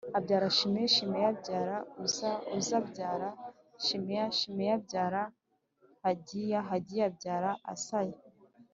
abyara Shimeyi Shimeyi abyara Uza Uza abyara Shimeya Shimeya abyara Hagiya Hagiya abyara Asaya